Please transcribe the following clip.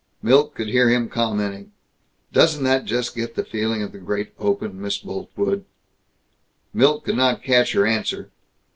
Milt could hear him commenting, "Doesn't that just get the feeling of the great open, Miss Boltwood?" Milt did not catch her answer.